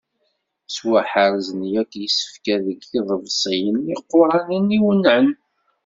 Ttwaḥerzen yakk yisefka deg yiḍebsiyen iquranen iwennɛen.